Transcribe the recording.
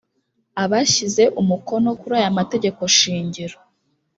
abashyize umukono kuri aya mategeko shingiro